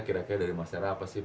kira kira dari masyarakat apa sih